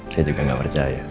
saya juga gak percaya